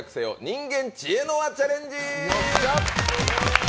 人間知恵の輪チャレンジ